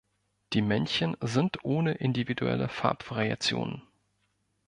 Die Männchen sind ohne individuelle Farbvariationen.